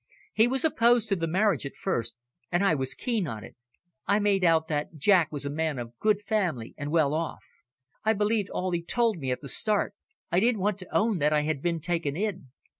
He was opposed to the marriage at first, and I was keen on it. I made out that Jack was a man of good family, and well off. I believed all he told me at the start. I didn't want to own that I had been taken in."